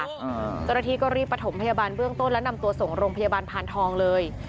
เจ้าหน้าที่ก็รีบประถมพยาบาลเบื้องต้นและนำตัวส่งโรงพยาบาลพานทองเลย